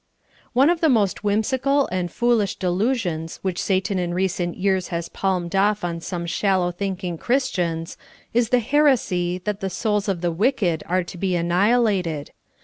ONE of the most whimsical and foolish delusions which Satan in recent years has palmed off on some shallow thinking Christians is the heresy that the souls of the wicked are to be annihilated.